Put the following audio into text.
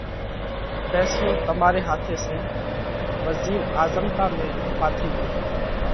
ڦينصلو تماري هاٿي سئہ۔ وزِير آزمتا ۾ ڦاٿِي ڳيو،